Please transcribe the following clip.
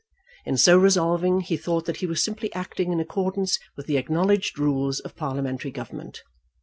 In so resolving, he thought that he was simply acting in accordance with the acknowledged rules of parliamentary government.